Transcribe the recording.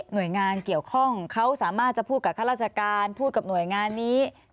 หน่วยงานเกี่ยวข้องเขาสามารถจะพูดกับข้าราชการพูดกับหน่วยงานนี้